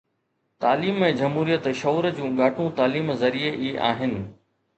تعليم ۽ جمهوريت شعور جون ڳاٽون تعليم ذريعي ئي آهن